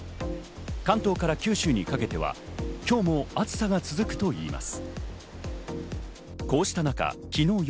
関東から九州にかけては今日も暑さが続くといいます。